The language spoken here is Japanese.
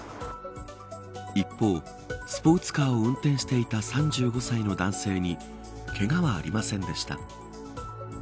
一方スポーツカーを運転していた３５歳の男性にけがはありませんでした。